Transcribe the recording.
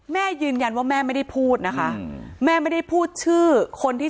แม่ยืนยันว่าแม่ไม่ได้พูดนะคะแม่ไม่ได้พูดชื่อคนที่